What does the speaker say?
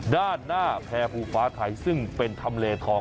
ด้านหน้าแพร่ภูฟ้าไทยซึ่งเป็นทำเลทอง